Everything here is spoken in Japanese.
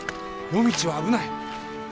夜道は危ない。